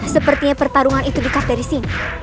sepertinya pertarungan itu dekat dari sini